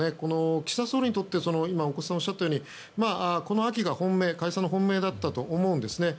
岸田総理にとって大越さんがおっしゃったようにこの秋が解散の本命だったと思うんですね。